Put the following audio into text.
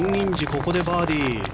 ここでバーディー。